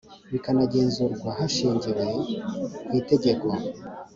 bikanagenzurwa hashingiwe ku itegeko